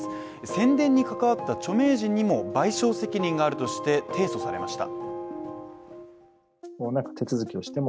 宣伝に関わった著名人にも賠償責任があるとして提訴されました。